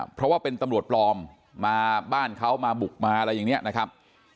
เพราะว่าเป็นตำรวจปลอมมาบ้านเขามาบุกมาอะไรอย่างนี้นะครับ